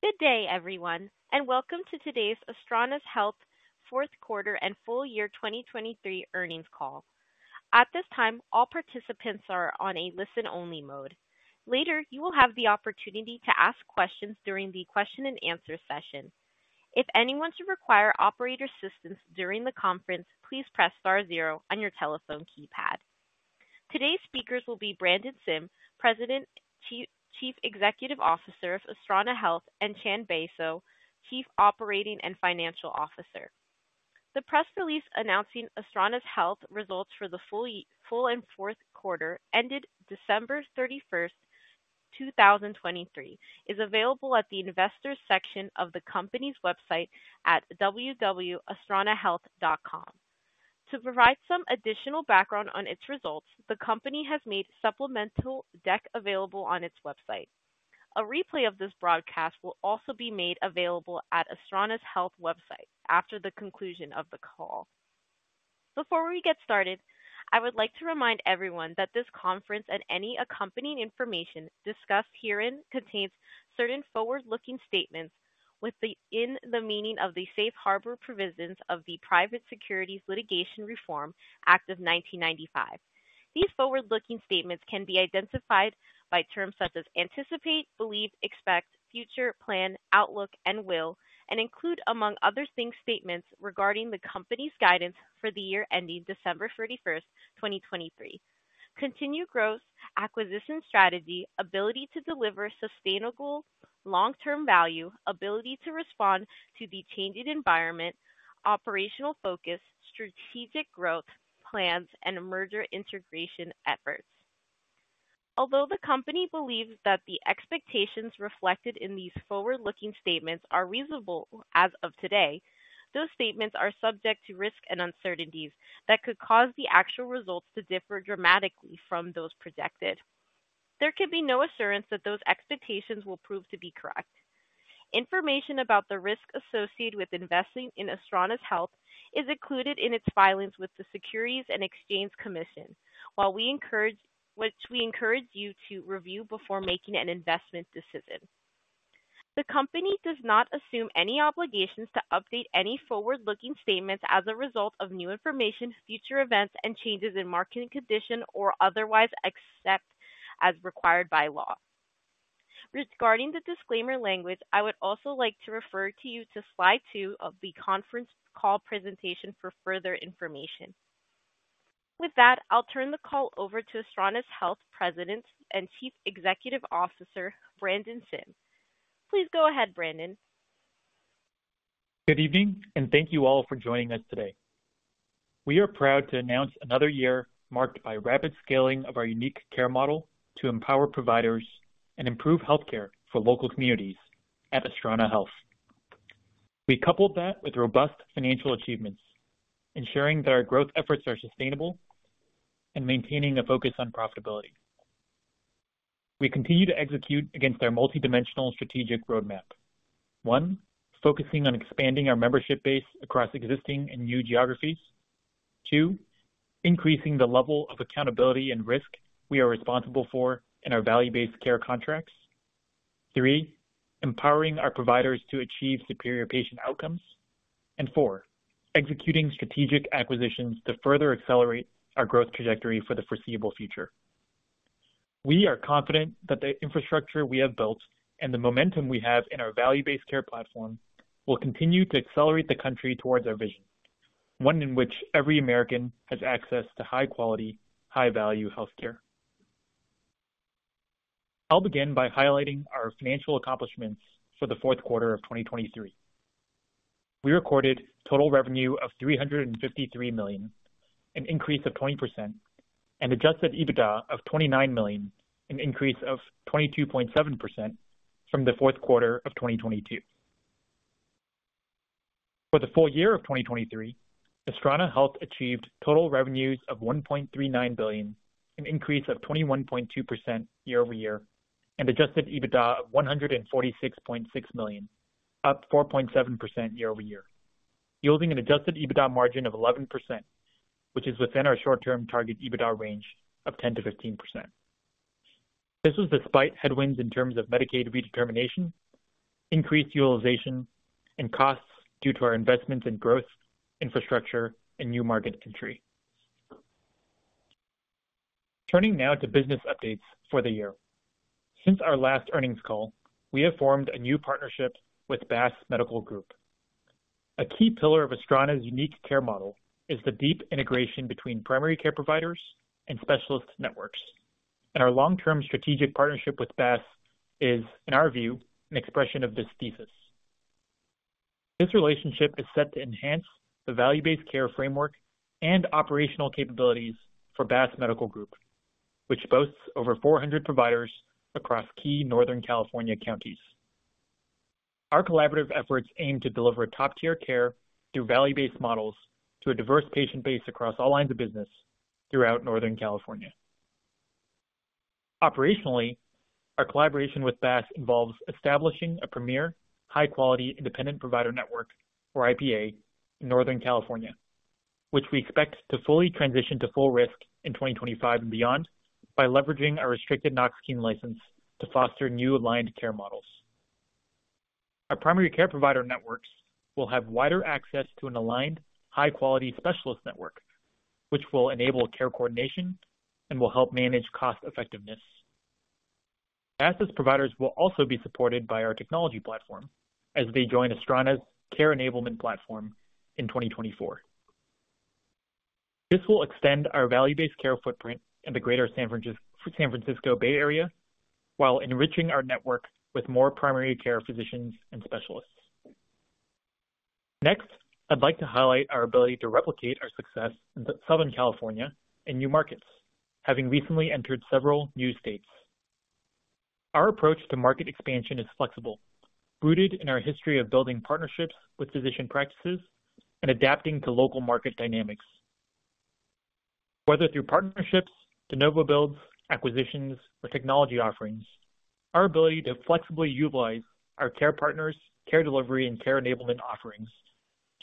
Good day, everyone, and welcome to today's Astrana Health Fourth Quarter and Full Year 2023 Earnings Call. At this time, all participants are on a listen-only mode. Later, you will have the opportunity to ask questions during the question and answer session. If anyone should require operator assistance during the conference, please press star zero on your telephone keypad. Today's speakers will be Brandon Sim, President, Chief Executive Officer of Astrana Health, and Chan Basho, Chief Operating and Financial Officer. The press release announcing Astrana Health results for the full and fourth quarter, ended December 31, 2023, is available at the investors section of the company's website at www.astranahealth.com. To provide some additional background on its results, the company has made supplemental deck available on its website. A replay of this broadcast will also be made available at Astrana Health's website after the conclusion of the call. Before we get started, I would like to remind everyone that this conference and any accompanying information discussed herein contains certain forward-looking statements within the meaning of the Safe Harbor Provisions of the Private Securities Litigation Reform Act of 1995. These forward-looking statements can be identified by terms such as anticipate, believe, expect, future, plan, outlook, and will, and include, among other things, statements regarding the company's guidance for the year ending December 31, 2023, continued growth, acquisition strategy, ability to deliver sustainable long-term value, ability to respond to the changing environment, operational focus, strategic growth plans, and merger integration efforts. Although the company believes that the expectations reflected in these forward-looking statements are reasonable as of today, those statements are subject to risks and uncertainties that could cause the actual results to differ dramatically from those projected. There can be no assurance that those expectations will prove to be correct. Information about the risks associated with investing in Astrana Health is included in its filings with the Securities and Exchange Commission, while we encourage you to review before making an investment decision. The company does not assume any obligations to update any forward-looking statements as a result of new information, future events, and changes in market conditions or otherwise, except as required by law. Regarding the disclaimer language, I would also like to refer you to slide two of the conference call presentation for further information. With that, I'll turn the call over to Astrana Health's President and Chief Executive Officer, Brandon Sim. Please go ahead, Brandon. Good evening, and thank you all for joining us today. We are proud to announce another year marked by rapid scaling of our unique care model to empower providers and improve healthcare for local communities at Astrana Health. We coupled that with robust financial achievements, ensuring that our growth efforts are sustainable and maintaining a focus on profitability. We continue to execute against our multidimensional strategic roadmap. One, focusing on expanding our membership base across existing and new geographies. Two, increasing the level of accountability and risk we are responsible for in our value-based care contracts. Three, empowering our providers to achieve superior patient outcomes. And four, executing strategic acquisitions to further accelerate our growth trajectory for the foreseeable future. We are confident that the infrastructure we have built and the momentum we have in our value-based care platform will continue to accelerate the country towards our vision, one in which every American has access to high quality, high-value healthcare. I'll begin by highlighting our financial accomplishments for the fourth quarter of 2023. We recorded total revenue of $353 million, an increase of 20%, and Adjusted EBITDA of $29 million, an increase of 22.7% from the fourth quarter of 2022. For the full year of 2023, Astrana Health achieved total revenues of $1.39 billion, an increase of 21.2% year-over-year, and adjusted EBITDA of $146.6 million, up 4.7% year-over-year, yielding an adjusted EBITDA margin of 11%, which is within our short-term target EBITDA range of 10%-15%. This was despite headwinds in terms of Medicaid redetermination, increased utilization, and costs due to our investments in growth, infrastructure, and new market entry. Turning now to business updates for the year. Since our last earnings call, we have formed a new partnership with BASS Medical Group. A key pillar of Astrana's unique care model is the deep integration between primary care providers and specialist networks. Our long-term strategic partnership with BASS is, in our view, an expression of this thesis. This relationship is set to enhance the value-based care framework and operational capabilities for BASS Medical Group, which boasts over 400 providers across key Northern California counties. Our collaborative efforts aim to deliver top-tier care through value-based models to a diverse patient base across all lines of business throughout Northern California. Operationally, our collaboration with BASS involves establishing a premier, high-quality independent provider network, or IPA, in Northern California, which we expect to fully transition to full risk in 2025 and beyond, by leveraging our restricted Knox-Keene license to foster new aligned care models. Our primary care provider networks will have wider access to an aligned, high-quality specialist network, which will enable care coordination and will help manage cost effectiveness. Access providers will also be supported by our technology platform as they join Astrana's Care Enablement platform in 2024. This will extend our value-based care footprint in the greater San Francisco Bay Area, while enriching our network with more primary care physicians and specialists. Next, I'd like to highlight our ability to replicate our success in Southern California and new markets, having recently entered several new states. Our approach to market expansion is flexible, rooted in our history of building partnerships with physician practices and adapting to local market dynamics. Whether through partnerships, de novo builds, acquisitions, or technology offerings, our ability to flexibly utilize our Care Partners, Care Delivery, and Care Enablement offerings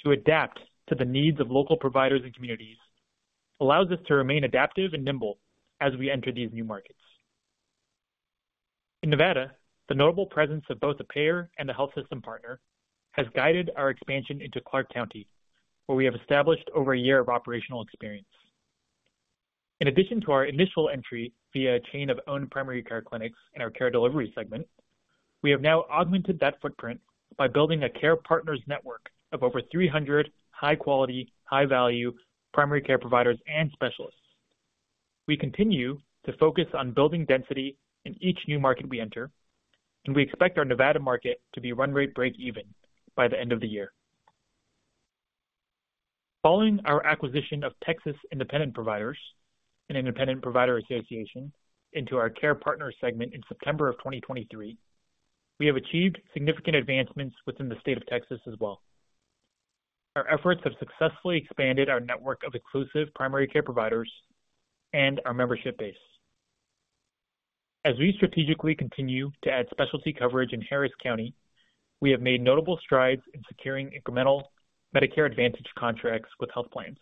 to adapt to the needs of local providers and communities, allows us to remain adaptive and nimble as we enter these new markets. In Nevada, the notable presence of both a payer and a health system partner has guided our expansion into Clark County, where we have established over a year of operational experience. In addition to our initial entry via a chain of owned primary care clinics in our Care Delivery segment, we have now augmented that footprint by building a Care Partners network of over 300 high quality, high value primary care providers and specialists. We continue to focus on building density in each new market we enter, and we expect our Nevada market to be run rate break even by the end of the year. Following our acquisition of Texas Independent Providers, an independent provider association, into our Care Partners segment in September 2023, we have achieved significant advancements within the state of Texas as well. Our efforts have successfully expanded our network of exclusive primary care providers and our membership base. As we strategically continue to add specialty coverage in Harris County, we have made notable strides in securing incremental Medicare Advantage contracts with health plans.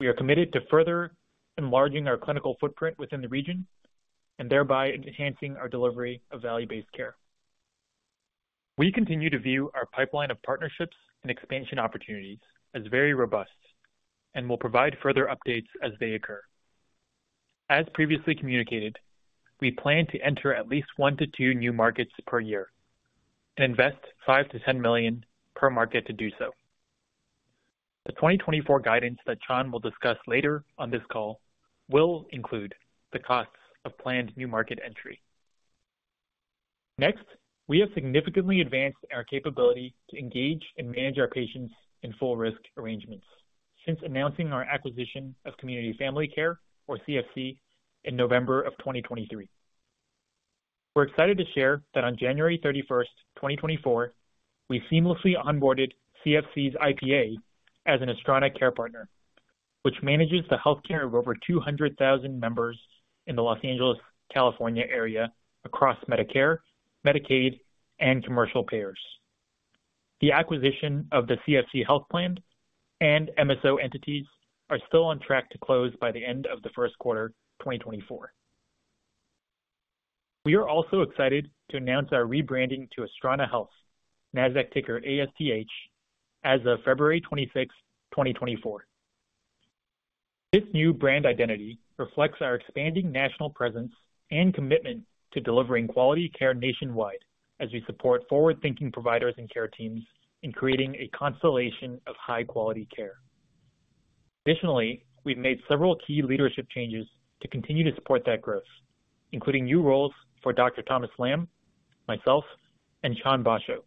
We are committed to further enlarging our clinical footprint within the region and thereby enhancing our delivery of value-based care. We continue to view our pipeline of partnerships and expansion opportunities as very robust and will provide further updates as they occur. As previously communicated, we plan to enter at least 1-2 new markets per year and invest $5 million-$10 million per market to do so. The 2024 guidance that Chan will discuss later on this call will include the costs of planned new market entry. Next, we have significantly advanced our capability to engage and manage our patients in full risk arrangements since announcing our acquisition of Community Family Care, or CFC, in November of 2023. We're excited to share that on January 31, 2024, we seamlessly onboarded CFC's IPA as an Astrana Care Partner, which manages the healthcare of over 200,000 members in the Los Angeles, California, area across Medicare, Medicaid, and commercial payers. The acquisition of the CFC health plan and MSO entities are still on track to close by the end of the first quarter, 2024. We are also excited to announce our rebranding to Astrana Health, NASDAQ ticker ASTH, as of February 26, 2024. This new brand identity reflects our expanding national presence and commitment to delivering quality care nationwide as we support forward-thinking providers and care teams in creating a constellation of high-quality care. Additionally, we've made several key leadership changes to continue to support that growth, including new roles for Dr. Thomas Lam, myself, and Chan Basho,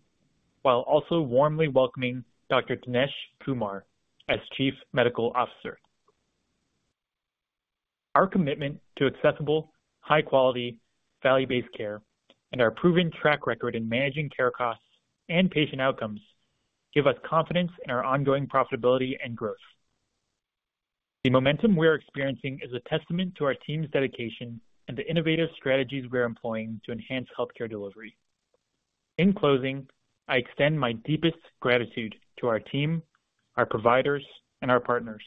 while also warmly welcoming Dr. Dinesh Kumar as Chief Medical Officer. Our commitment to accessible, high-quality, value-based care and our proven track record in managing care costs and patient outcomes give us confidence in our ongoing profitability and growth. The momentum we're experiencing is a testament to our team's dedication and the innovative strategies we're employing to enhance healthcare delivery. In closing, I extend my deepest gratitude to our team, our providers, and our partners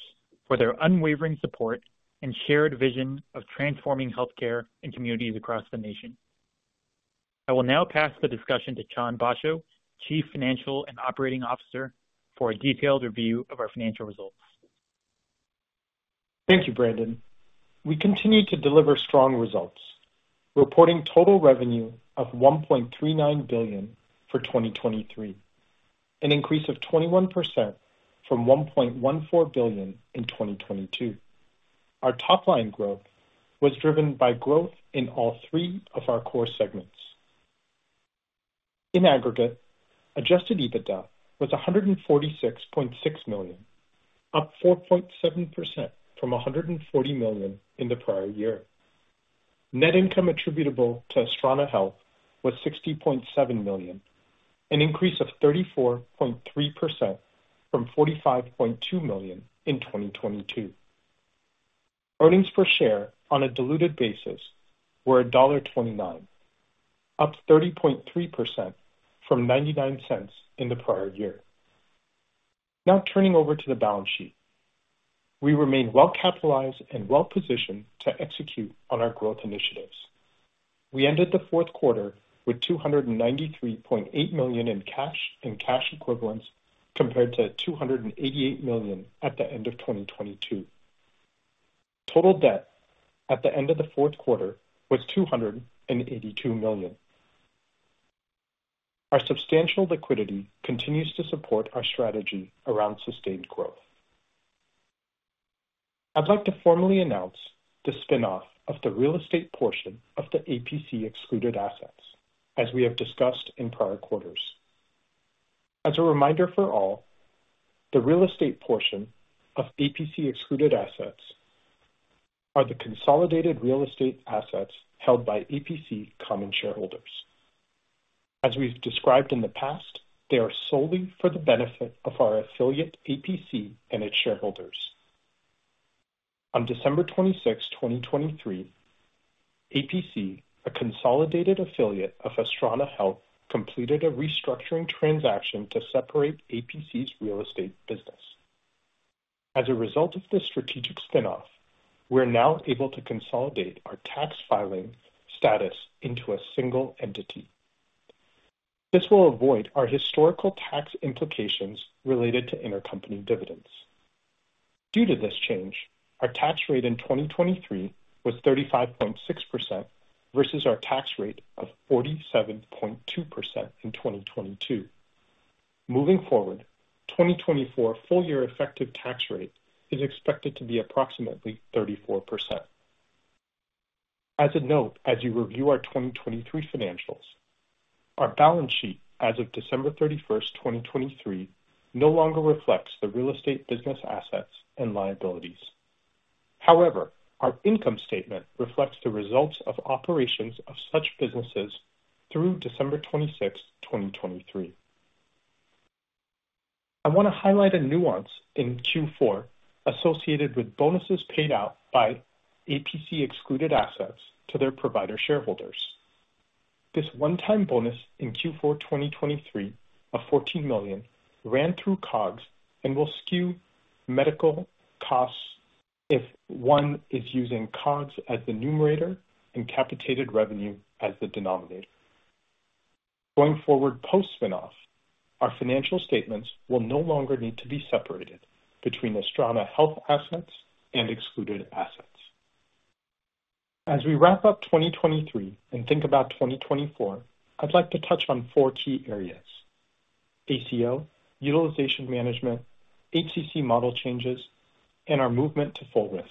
for their unwavering support and shared vision of transforming healthcare in communities across the nation. I will now pass the discussion to Chan Basho, Chief Financial Officer and Chief Operating Officer, for a detailed review of our financial results. Thank you, Brandon. We continue to deliver strong results, reporting total revenue of $1.39 billion for 2023, an increase of 21% from $1.14 billion in 2022. Our top line growth was driven by growth in all three of our core segments. In aggregate, Adjusted EBITDA was $146.6 million, up 4.7% from $140 million in the prior year. Net income attributable to Astrana Health was $60.7 million, an increase of 34.3% from $45.2 million in 2022... Earnings per share on a diluted basis were $1.29, up 30.3% from $0.99 in the prior year. Now, turning over to the balance sheet. We remain well-capitalized and well-positioned to execute on our growth initiatives. We ended the fourth quarter with $293.8 million in cash and cash equivalents, compared to $288 million at the end of 2022. Total debt at the end of the fourth quarter was $282 million. Our substantial liquidity continues to support our strategy around sustained growth. I'd like to formally announce the spin-off of the real estate portion of the APC excluded assets, as we have discussed in prior quarters. As a reminder for all, the real estate portion of APC excluded assets are the consolidated real estate assets held by APC common shareholders. As we've described in the past, they are solely for the benefit of our affiliate, APC, and its shareholders. On December 26, 2023, APC, a consolidated affiliate of Astrana Health, completed a restructuring transaction to separate APC's real estate business. As a result of this strategic spin-off, we're now able to consolidate our tax filing status into a single entity. This will avoid our historical tax implications related to intercompany dividends. Due to this change, our tax rate in 2023 was 35.6% versus our tax rate of 47.2% in 2022. Moving forward, 2024 full year effective tax rate is expected to be approximately 34%. As a note, as you review our 2023 financials, our balance sheet as of December 31, 2023, no longer reflects the real estate business assets and liabilities. However, our income statement reflects the results of operations of such businesses through December 26, 2023. I want to highlight a nuance in Q4 associated with bonuses paid out by APC excluded assets to their provider shareholders. This one-time bonus in Q4 2023 of $14 million ran through COGS and will skew medical costs if one is using COGS as the numerator and capitated revenue as the denominator. Going forward, post-spin-off, our financial statements will no longer need to be separated between Astrana Health assets and excluded assets. As we wrap up 2023 and think about 2024, I'd like to touch on four key areas: ACO, utilization management, HCC model changes, and our movement to full risk.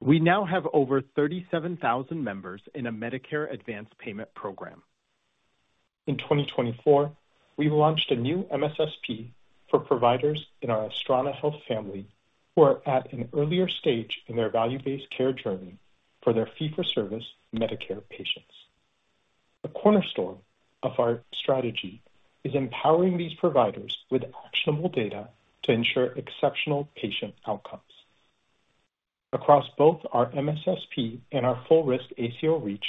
We now have over 37,000 members in a Medicare advanced payment program. In 2024, we launched a new MSSP for providers in our Astrana Health family, who are at an earlier stage in their value-based care journey for their fee-for-service Medicare patients. The cornerstone of our strategy is empowering these providers with actionable data to ensure exceptional patient outcomes. Across both our MSSP and our full risk ACO REACH,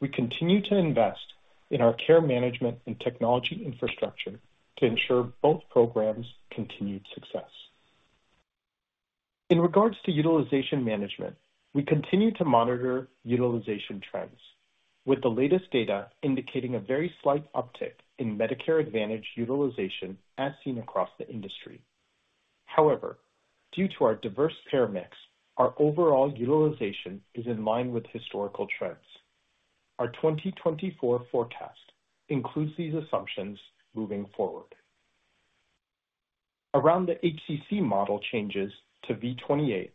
we continue to invest in our care management and technology infrastructure to ensure both programs' continued success. In regards to utilization management, we continue to monitor utilization trends, with the latest data indicating a very slight uptick in Medicare Advantage utilization as seen across the industry. However, due to our diverse payer mix, our overall utilization is in line with historical trends. Our 2024 forecast includes these assumptions moving forward. Around the HCC model changes to V28,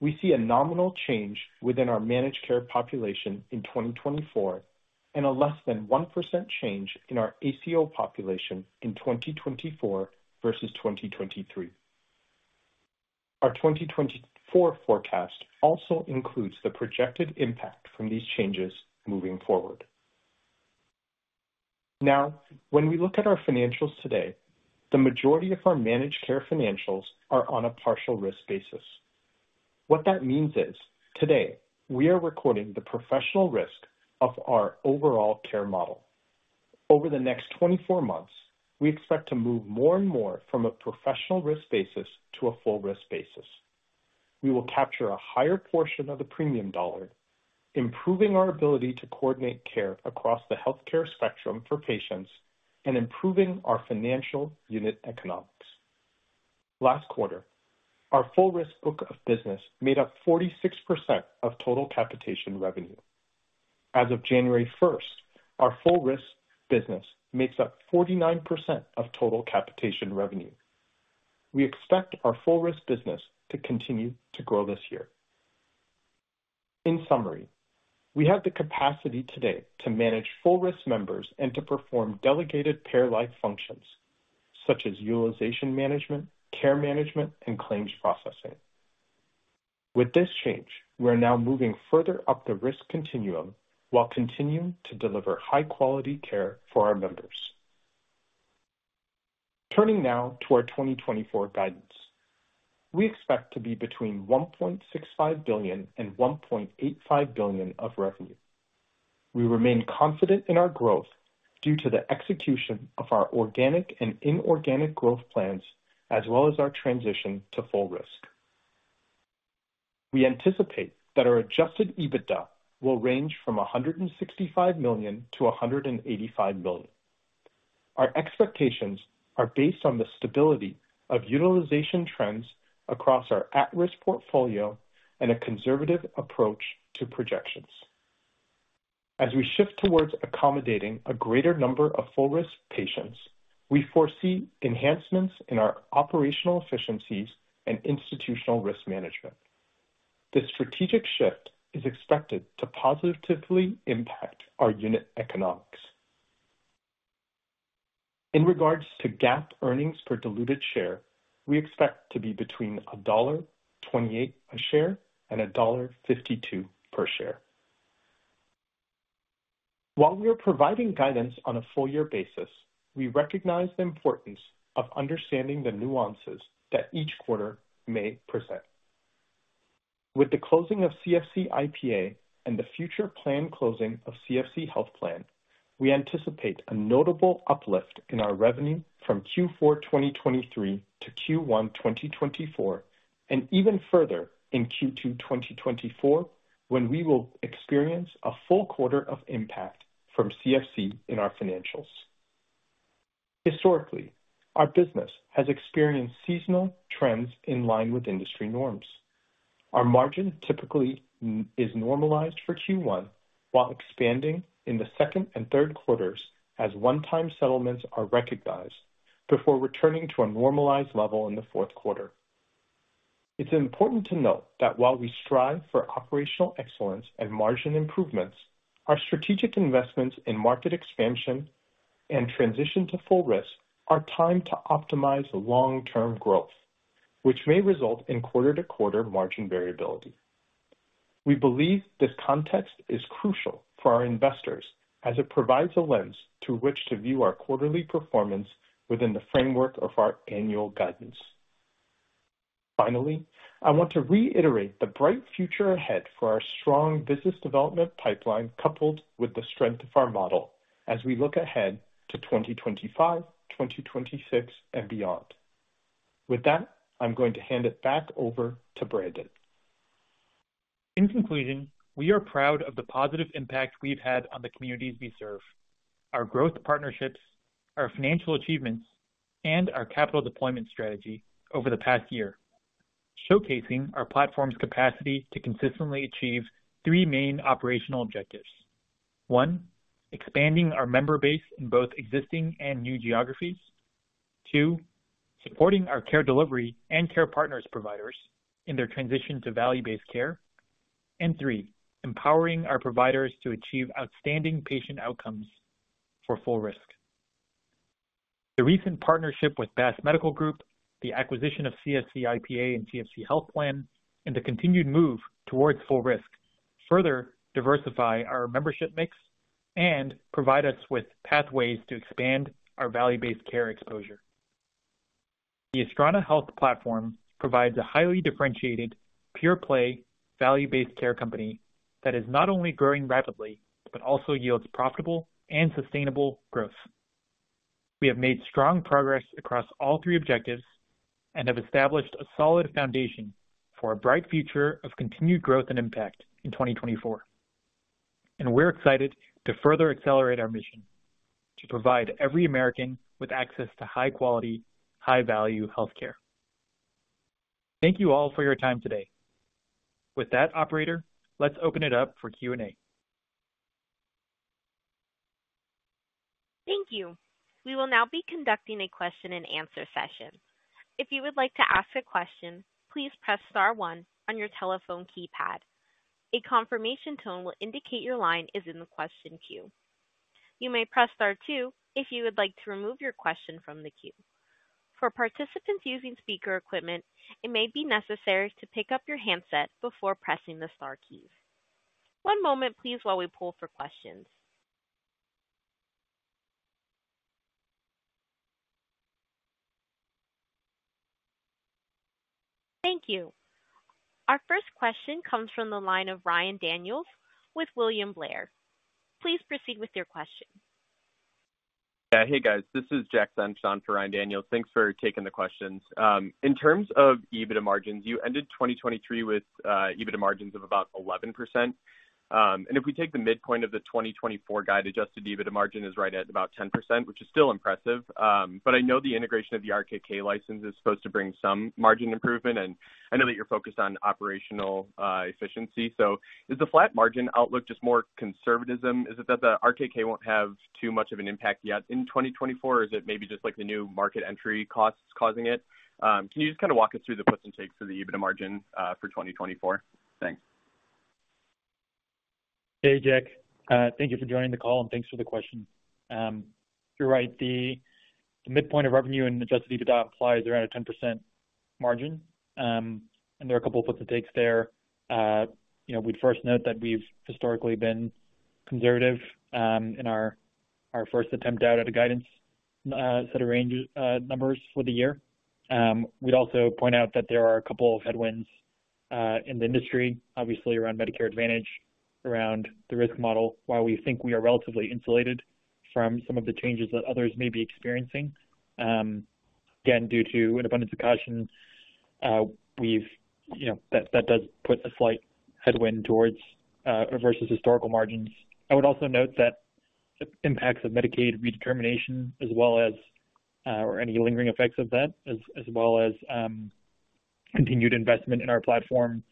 we see a nominal change within our managed care population in 2024, and a less than 1% change in our ACO population in 2024 versus 2023. Our 2024 forecast also includes the projected impact from these changes moving forward. Now, when we look at our financials today, the majority of our managed care financials are on a partial risk basis. What that means is, today, we are recording the professional risk of our overall care model. Over the next 24 months, we expect to move more and more from a professional risk basis to a full risk basis. We will capture a higher portion of the premium dollar, improving our ability to coordinate care across the healthcare spectrum for patients and improving our financial unit economics. Last quarter, our full risk book of business made up 46% of total capitation revenue. As of January first, our full risk business makes up 49% of total capitation revenue. We expect our full risk business to continue to grow this year. In summary, we have the capacity today to manage full risk members and to perform delegated payer-like functions such as utilization management, care management, and claims processing. With this change, we are now moving further up the risk continuum while continuing to deliver high-quality care for our members.... Turning now to our 2024 guidance. We expect to be between $1.65 billion and $1.85 billion of revenue. We remain confident in our growth due to the execution of our organic and inorganic growth plans, as well as our transition to full risk. We anticipate that our adjusted EBITDA will range from $165 million to $185 million. Our expectations are based on the stability of utilization trends across our at-risk portfolio and a conservative approach to projections. As we shift towards accommodating a greater number of full risk patients, we foresee enhancements in our operational efficiencies and institutional risk management. This strategic shift is expected to positively impact our unit economics. In regards to GAAP earnings per diluted share, we expect to be between $1.28 a share and $1.52 per share. While we are providing guidance on a full year basis, we recognize the importance of understanding the nuances that each quarter may present. With the closing of CFC IPA and the future planned closing of CFC Health Plan, we anticipate a notable uplift in our revenue from Q4 2023 to Q1 2024, and even further in Q2 2024, when we will experience a full quarter of impact from CFC in our financials. Historically, our business has experienced seasonal trends in line with industry norms. Our margin typically is normalized for Q1, while expanding in the second and third quarters as one-time settlements are recognized before returning to a normalized level in the fourth quarter. It's important to note that while we strive for operational excellence and margin improvements, our strategic investments in market expansion and transition to full risk are timed to optimize long-term growth, which may result in quarter-to-quarter margin variability. We believe this context is crucial for our investors as it provides a lens through which to view our quarterly performance within the framework of our annual guidance. Finally, I want to reiterate the bright future ahead for our strong business development pipeline, coupled with the strength of our model as we look ahead to 2025, 2026, and beyond. With that, I'm going to hand it back over to Brandon. In conclusion, we are proud of the positive impact we've had on the communities we serve, our growth partnerships, our financial achievements, and our capital deployment strategy over the past year, showcasing our platform's capacity to consistently achieve three main operational objectives. One, expanding our member base in both existing and new geographies. Two, supporting our care delivery and care partners providers in their transition to value-based care. And three, empowering our providers to achieve outstanding patient outcomes for full risk. The recent partnership with BASS Medical Group, the acquisition of CFC IPA and CFC Health Plan, and the continued move towards full risk, further diversify our membership mix and provide us with pathways to expand our value-based care exposure. The Astrana Health Platform provides a highly differentiated, pure play, value-based care company that is not only growing rapidly, but also yields profitable and sustainable growth. We have made strong progress across all three objectives and have established a solid foundation for a bright future of continued growth and impact in 2024. We're excited to further accelerate our mission: to provide every American with access to high quality, high value healthcare. Thank you all for your time today. With that, operator, let's open it up for Q&A. Thank you. We will now be conducting a question-and-answer session. If you would like to ask a question, please press star one on your telephone keypad. A confirmation tone will indicate your line is in the question queue. You may press star two if you would like to remove your question from the queue. For participants using speaker equipment, it may be necessary to pick up your handset before pressing the star keys. One moment, please, while we pull for questions. Thank you. Our first question comes from the line of Ryan Daniels with William Blair. Please proceed with your question. Yeah. Hey, guys, this is Jack Senft for Ryan Daniels. Thanks for taking the questions. In terms of EBITDA margins, you ended 2023 with EBITDA margins of about 11%. And if we take the midpoint of the 2024 guide, adjusted EBITDA margin is right at about 10%, which is still impressive. But I know the integration of the RKK license is supposed to bring some margin improvement, and I know that you're focused on operational efficiency. So is the flat margin outlook just more conservatism? Is it that the RKK won't have too much of an impact yet in 2024, or is it maybe just like the new market entry costs causing it? Can you just kind of walk us through the puts and takes of the EBITDA margin for 2024? Thanks. Hey, Jack, thank you for joining the call, and thanks for the question. You're right. The midpoint of revenue and Adjusted EBITDA applies around a 10% margin, and there are a couple of puts and takes there. You know, we'd first note that we've historically been conservative in our first attempt out at a guidance set of range numbers for the year. We'd also point out that there are a couple of headwinds in the industry, obviously around Medicare Advantage, around the risk model. While we think we are relatively insulated from some of the changes that others may be experiencing, again, due to an abundance of caution, you know, that does put a slight headwind towards versus historical margins. I would also note that the impacts of Medicaid redetermination, as well as or any lingering effects of that, as well as continued investment in our platform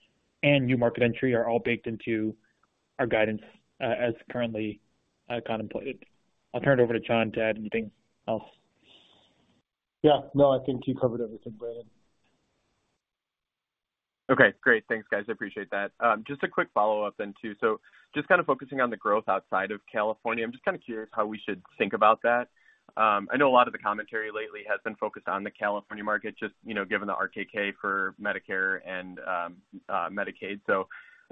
and new market entry, are all baked into our guidance, as currently contemplated. I'll turn it over to John to add anything else. Yeah. No, I think you covered everything, Brandon. Okay, great. Thanks, guys. I appreciate that. Just a quick follow-up then, too. So just kind of focusing on the growth outside of California, I'm just kind of curious how we should think about that. I know a lot of the commentary lately has been focused on the California market, just, you know, given the RKK for Medicare and Medicaid.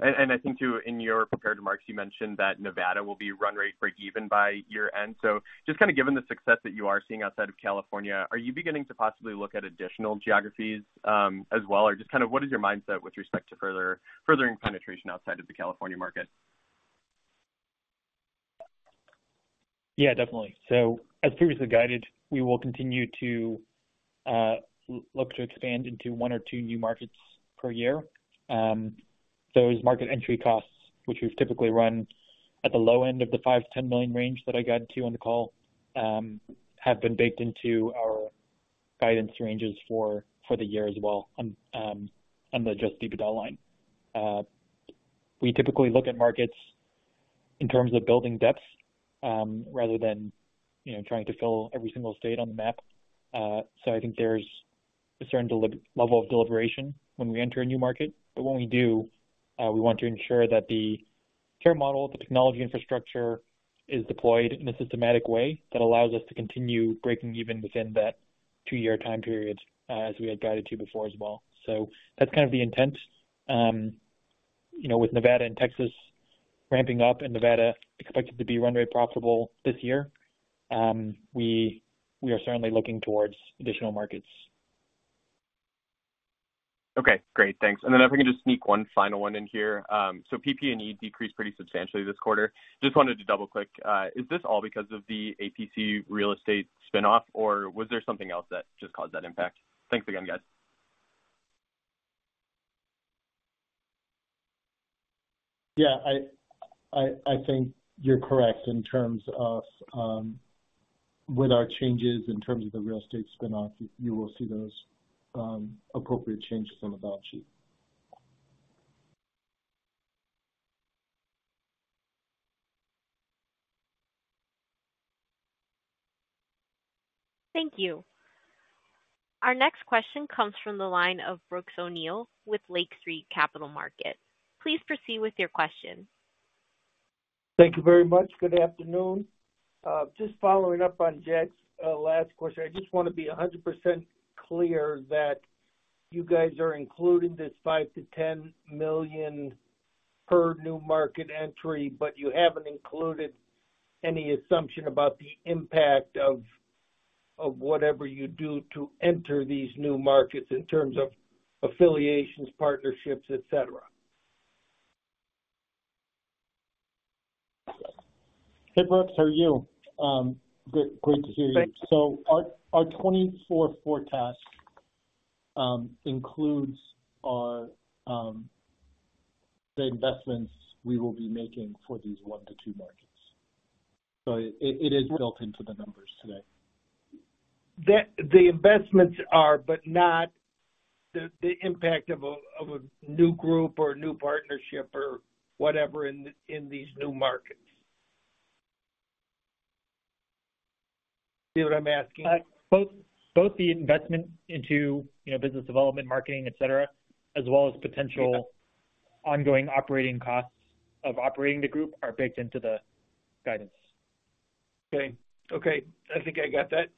And I think too, in your prepared remarks, you mentioned that Nevada will be run rate break even by year-end. So just kind of given the success that you are seeing outside of California, are you beginning to possibly look at additional geographies, as well? Or just kind of what is your mindset with respect to furthering penetration outside of the California market? Yeah, definitely. So, as previously guided, we will continue to look to expand into one or two new markets per year. Those market entry costs, which we've typically run at the low end of the $5 million-$10 million range that I guided to on the call, have been baked into our guidance ranges for the year as well on the Adjusted EBITDA line. We typically look at markets in terms of building depth, rather than, you know, trying to fill every single state on the map. So I think there's a certain level of deliberation when we enter a new market, but when we do, we want to ensure that the care model, the technology infrastructure, is deployed in a systematic way that allows us to continue breaking even within that two-year time period, as we had guided to before as well. So that's kind of the intent. You know, with Nevada and Texas ramping up, and Nevada expected to be run-rate profitable this year, we are certainly looking towards additional markets. Okay, great. Thanks. And then if I can just sneak one final one in here. So PP&E decreased pretty substantially this quarter. Just wanted to double-click. Is this all because of the APC real estate spin-off, or was there something else that just caused that impact? Thanks again, guys. Yeah, I think you're correct in terms of with our changes in terms of the real estate spin-off, you will see those appropriate changes on the balance sheet. Thank you. Our next question comes from the line of Brooks O'Neill with Lake Street Capital Markets. Please proceed with your question. Thank you very much. Good afternoon. Just following up on Jack's last question, I just want to be 100% clear that you guys are including this $5 million-$10 million per new market entry, but you haven't included any assumption about the impact of whatever you do to enter these new markets in terms of affiliations, partnerships, et cetera. Hey, Brooks, how are you? Great, great to hear you. Thanks. So our 2024 forecast includes the investments we will be making for these 1-2 markets. So it is built into the numbers today. The investments are, but not the impact of a new group or a new partnership or whatever in these new markets. See what I'm asking? Both, both the investment into, you know, business development, marketing, et cetera, as well as potential- Yeah Ongoing operating costs of operating the group are baked into the guidance. Okay. Okay, I think I got that.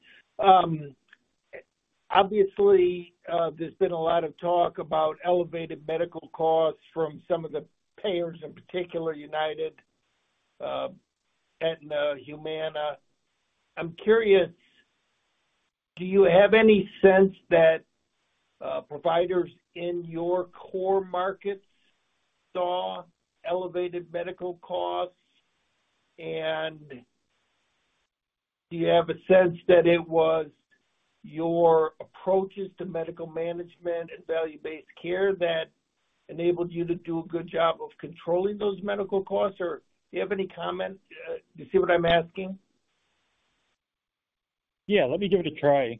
Obviously, there's been a lot of talk about elevated medical costs from some of the payers, in particular, United, Aetna, Humana. I'm curious, do you have any sense that providers in your core markets saw elevated medical costs? And do you have a sense that it was your approaches to medical management and value-based care that enabled you to do a good job of controlling those medical costs, or do you have any comment? You see what I'm asking? Yeah, let me give it a try,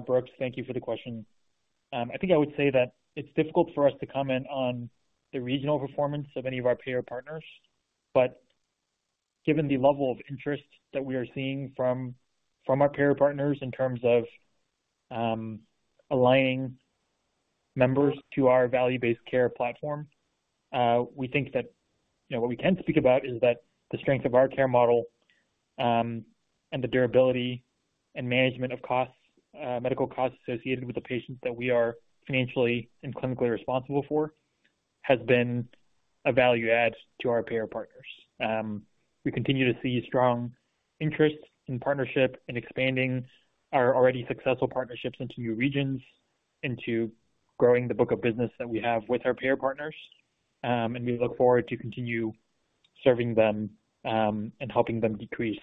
Brooks. Thank you for the question. I think I would say that it's difficult for us to comment on the regional performance of any of our payer partners, but given the level of interest that we are seeing from our payer partners in terms of aligning members to our value-based care platform, we think that, you know, what we can speak about is that the strength of our care model... and the durability and management of costs, medical costs associated with the patients that we are financially and clinically responsible for, has been a value add to our payer partners. We continue to see strong interest in partnership and expanding our already successful partnerships into new regions, into growing the book of business that we have with our payer partners. We look forward to continue serving them, and helping them decrease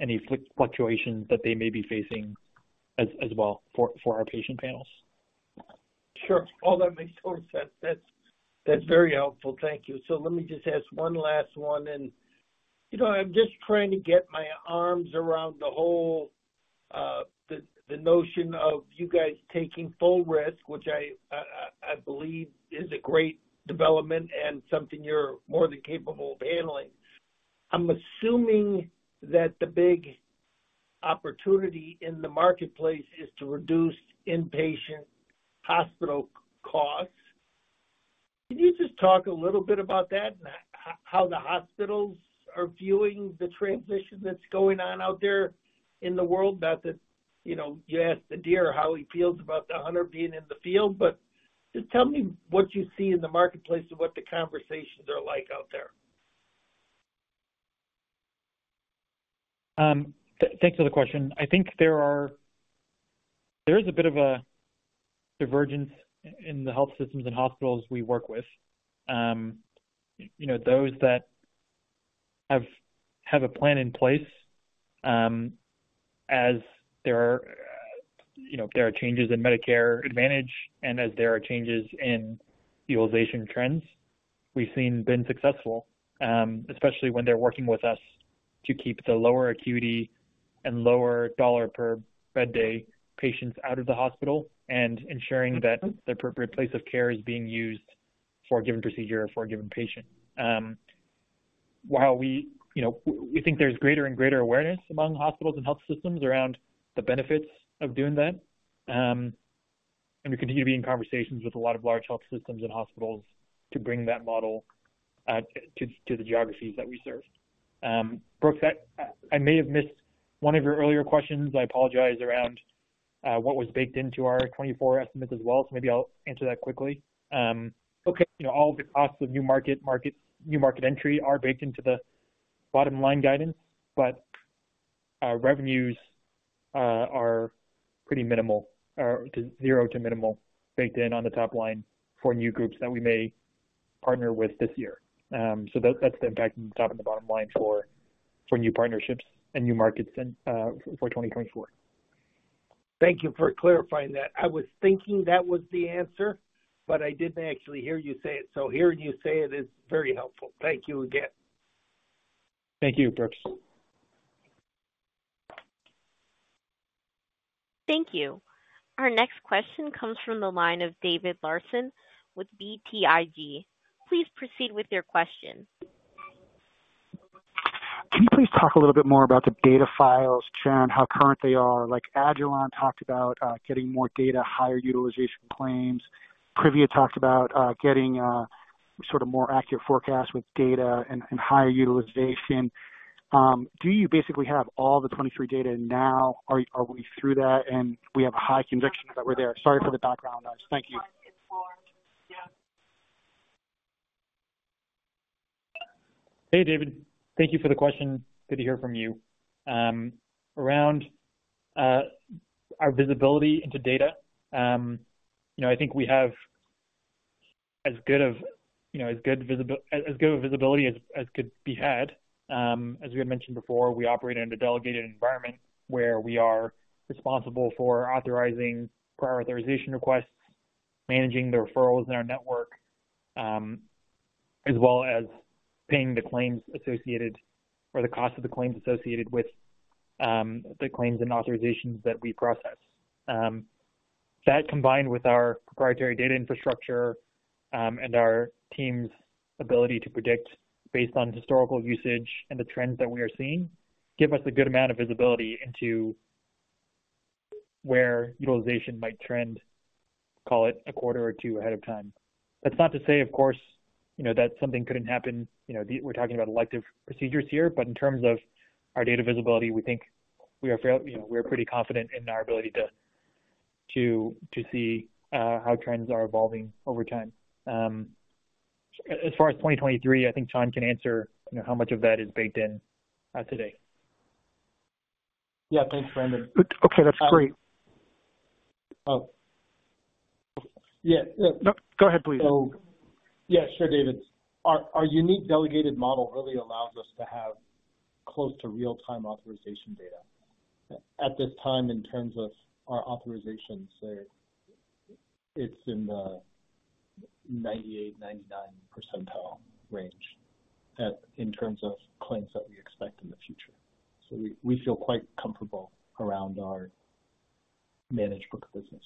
any fluctuations that they may be facing as well for our patient panels. Sure. All that makes total sense. That's, that's very helpful. Thank you. So let me just ask one last one, and, you know, I'm just trying to get my arms around the whole, the notion of you guys taking full risk, which I believe is a great development and something you're more than capable of handling. I'm assuming that the big opportunity in the marketplace is to reduce inpatient hospital costs. Can you just talk a little bit about that and how the hospitals are viewing the transition that's going on out there in the world? Not that, you know, you ask the deer how he feels about the hunter being in the field, but just tell me what you see in the marketplace and what the conversations are like out there. Thanks for the question. I think there is a bit of a divergence in the health systems and hospitals we work with. You know, those that have a plan in place as there are changes in Medicare Advantage and as there are changes in utilization trends, we've seen them be successful, especially when they're working with us to keep the lower acuity and lower dollar per bed day patients out of the hospital and ensuring that the appropriate place of care is being used for a given procedure for a given patient. While we, you know, we think there's greater and greater awareness among hospitals and health systems around the benefits of doing that, and we continue to be in conversations with a lot of large health systems and hospitals to bring that model to the geographies that we serve. Brooks, I may have missed one of your earlier questions, I apologize, around what was baked into our 2024 estimates as well, so maybe I'll answer that quickly. Okay. You know, all the costs of new market entry are baked into the bottom-line guidance, but our revenues are pretty minimal or zero to minimal, baked in on the top line for new groups that we may partner with this year. So that's the impact on the bottom line for new partnerships and new markets in 2024. Thank you for clarifying that. I was thinking that was the answer, but I didn't actually hear you say it, so hearing you say it is very helpful. Thank you again. Thank you, Brooks. Thank you. Our next question comes from the line of David Larson with BTIG. Please proceed with your question. Can you please talk a little bit more about the data files, Chan, how current they are? Like, Agilon talked about, getting more data, higher utilization claims. Privia talked about, getting, sort of more accurate forecasts with data and higher utilization. Do you basically have all the 2023 data now? Are we through that, and we have high conviction that we're there? Sorry for the background noise. Thank you. Hey, David. Thank you for the question. Good to hear from you. Around our visibility into data, you know, I think we have as good of, you know, as good of visibility as, as could be had. As we had mentioned before, we operate in a delegated environment where we are responsible for authorizing prior authorization requests, managing the referrals in our network, as well as paying the claims associated or the cost of the claims associated with the claims and authorizations that we process. That combined with our proprietary data infrastructure and our team's ability to predict based on historical usage and the trends that we are seeing give us a good amount of visibility into where utilization might trend, call it a quarter or two ahead of time. That's not to say, of course, you know, that something couldn't happen. You know, we're talking about elective procedures here, but in terms of our data visibility, we think we are fair, you know, we're pretty confident in our ability to see how trends are evolving over time. As far as 2023, I think Chan can answer, you know, how much of that is baked in today. Yeah. Thanks, Brandon. Okay, that's great. Oh, yeah. Yeah. No, go ahead, please. So, yeah, sure, David. Our, our unique delegated model really allows us to have close to real-time authorization data. At this time, in terms of our authorization, say, it's in the 98-99 percentile range at-- in terms of claims that we expect in the future. So we, we feel quite comfortable around our managed book of business.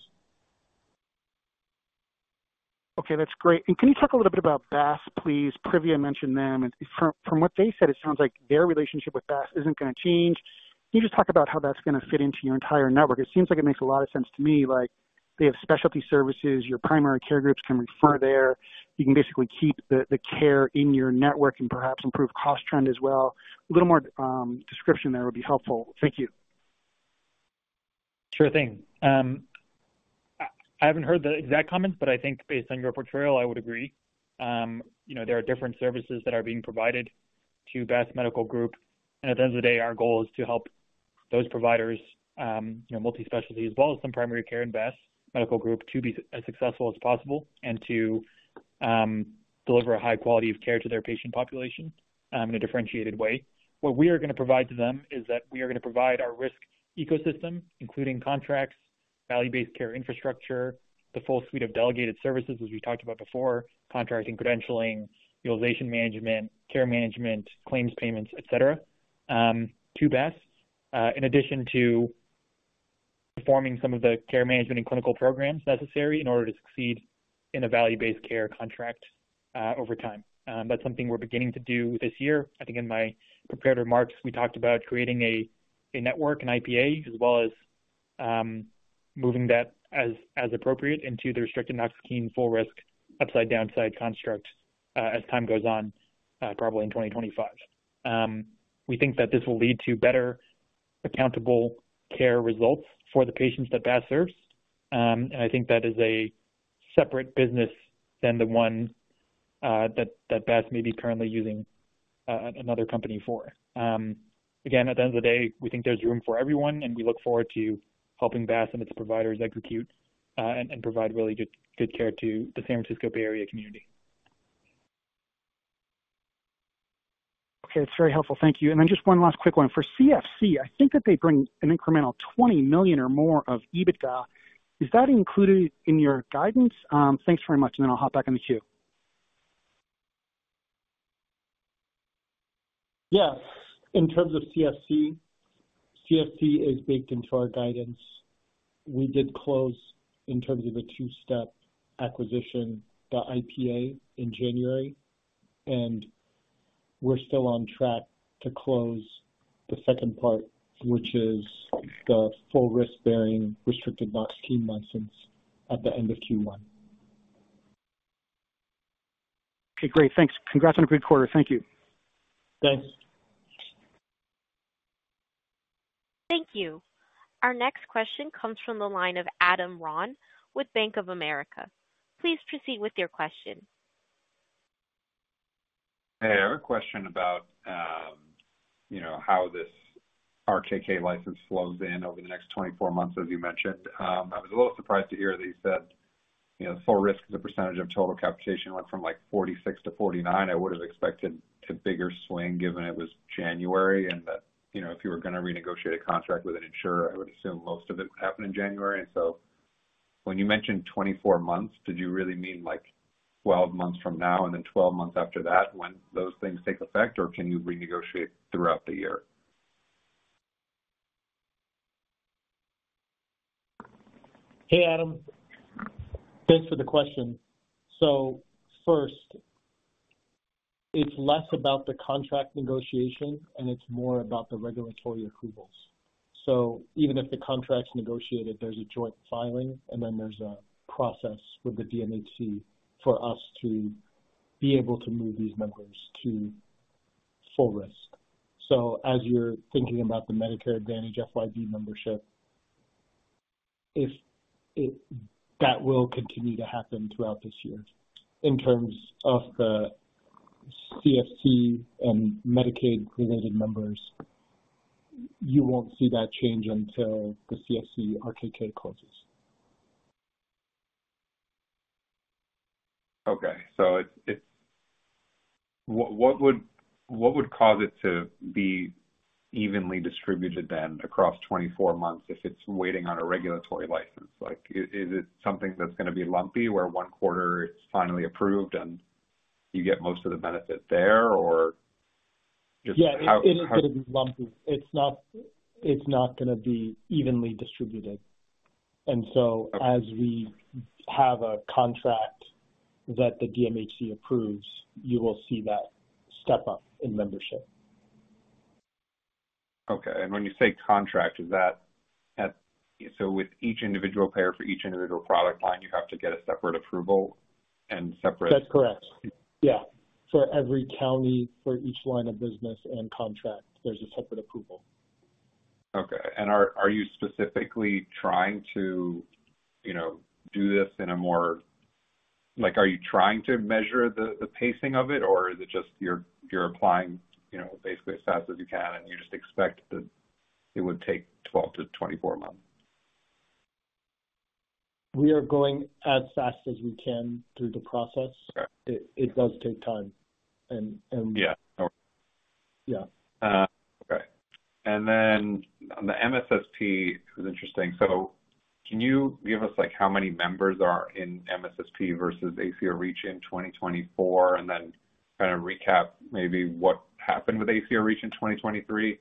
Okay, that's great. Can you talk a little bit about BASS, please? Privia mentioned them, and from what they said, it sounds like their relationship with BASS isn't going to change. Can you just talk about how that's gonna fit into your entire network? It seems like it makes a lot of sense to me, like, they have specialty services, your primary care groups can refer there. You can basically keep the care in your network and perhaps improve cost trend as well. A little more description there would be helpful. Thank you. Sure thing. I haven't heard the exact comments, but I think based on your portrayal, I would agree. You know, there are different services that are being provided to BASS Medical Group, and at the end of the day, our goal is to help those providers, you know, multi-specialty, as well as some primary care in BASS Medical Group, to be as successful as possible, and to deliver a high quality of care to their patient population, in a differentiated way. What we are gonna provide to them is that we are gonna provide our risk ecosystem, including contracts, value-based care infrastructure, the full suite of delegated services, as we talked about before, contracting, credentialing, utilization management, care management, claims payments, et cetera, to BASS, in addition to performing some of the care management and clinical programs necessary in order to succeed in a value-based care contract, over time. That's something we're beginning to do this year. I think in my prepared remarks, we talked about creating a network, an IPA, as well as moving that as appropriate into the restricted Knox-Keene scheme, full risk, upside, downside construct, as time goes on, probably in 2025. We think that this will lead to better accountable care results for the patients that BASS serves. And I think that is a separate business than the one that BASS may be currently using another company for. Again, at the end of the day, we think there's room for everyone, and we look forward to helping BASS and its providers execute and provide really good care to the San Francisco Bay Area community. Okay. It's very helpful. Thank you. And then just one last quick one. For CFC, I think that they bring an incremental $20 million or more of EBITDA. Is that included in your guidance? Thanks very much, and then I'll hop back in the queue. Yeah. In terms of CFC, CFC is baked into our guidance. We did close in terms of a two-step acquisition, the IPA, in January, and we're still on track to close the second part, which is the full risk-bearing, restricted RKK license at the end of Q1. Okay, great. Thanks. Congrats on a great quarter. Thank you. Thanks. Thank you. Our next question comes from the line of Adam Ron with Bank of America. Please proceed with your question. Hey, I have a question about, you know, how this RKK license flows in over the next 24 months, as you mentioned. I was a little surprised to hear that you said, you know, full risk as a percentage of total capitalization went from, like, 46%-49%. I would've expected a bigger swing, given it was January, and that, you know, if you were gonna renegotiate a contract with an insurer, I would assume most of it would happen in January. And so when you mentioned 24 months, did you really mean, like, 12 months from now and then 12 months after that when those things take effect, or can you renegotiate throughout the year? Hey, Adam. Thanks for the question. So first, it's less about the contract negotiation, and it's more about the regulatory approvals. So even if the contract's negotiated, there's a joint filing, and then there's a process with the DMHC for us to be able to move these members to full risk. So as you're thinking about the Medicare Advantage FFS membership, if it—that will continue to happen throughout this year. In terms of the CFC and Medicaid-related members, you won't see that change until the CFC RKK closes. Okay, so what would cause it to be evenly distributed then across 24 months if it's waiting on a regulatory license? Like, is it something that's gonna be lumpy, where one quarter it's finally approved, and you get most of the benefit there, or just how- Yeah, it is gonna be lumpy. It's not, it's not gonna be evenly distributed. Okay. As we have a contract that the DMHC approves, you will see that step up in membership. Okay. And when you say contract, is that... So with each individual payer, for each individual product line, you have to get a separate approval and separate- That's correct. Yeah. For every county, for each line of business and contract, there's a separate approval. Okay. And are you specifically trying to, you know, do this in a more—like, are you trying to measure the pacing of it, or is it just you're applying, you know, basically as fast as you can, and you just expect that it would take 12-24 months? We are going as fast as we can through the process. Okay. It does take time, and- Yeah. Yeah. Okay. And then on the MSSP, it was interesting. So can you give us, like, how many members are in MSSP versus ACO REACH in 2024, and then kind of recap maybe what happened with ACO REACH in 2023?